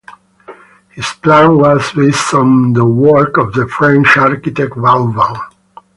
His plan was based on the work of the French architect Vauban.